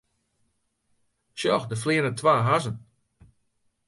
Sjoch, dêr fleane twa hazzen.